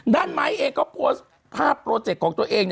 ไมค์เองก็โพสต์ภาพโปรเจกต์ของตัวเอง